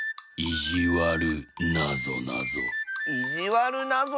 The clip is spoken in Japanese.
いじわるなぞなぞ？